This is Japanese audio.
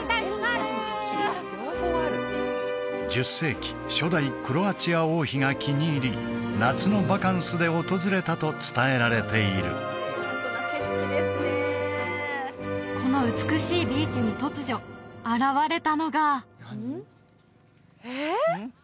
１０世紀初代クロアチア王妃が気に入り夏のバカンスで訪れたと伝えられているこの美しいビーチに突如現れたのがえっ？